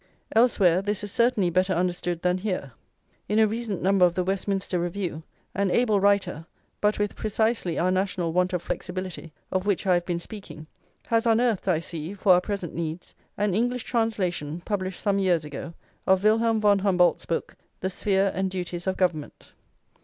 Elsewhere this is certainly better understood than here. In a recent number of the Westminster Review, an able writer, but with precisely our national want of flexibility of which I have been speaking, has unearthed, I see, for our present needs, an English translation, published some years ago, of Wilhelm von Humboldt's book, The Sphere and Duties of Government.